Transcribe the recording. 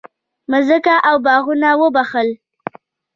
مځکه او باغونه وبخښل.